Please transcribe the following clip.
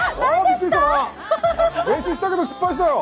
練習したけど失敗したよ。